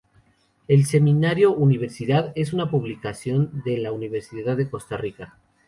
El Semanario Universidad es una publicación de la Universidad de Costa Rica.